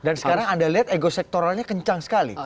dan sekarang anda lihat ego sektoralnya kencang sekali